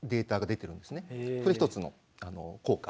これが一つの効果。